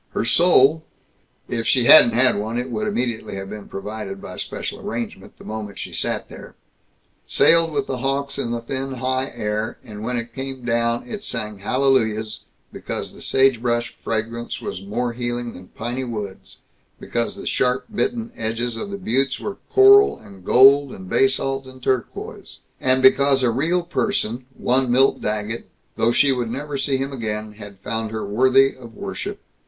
Her soul if she hadn't had one, it would immediately have been provided, by special arrangement, the moment she sat there sailed with the hawks in the high thin air, and when it came down it sang hallelujahs, because the sagebrush fragrance was more healing than piney woods, because the sharp bitten edges of the buttes were coral and gold and basalt and turquoise, and because a real person, one Milt Daggett, though she would never see him again, had found her worthy of worship.